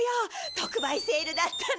特売セールだったの。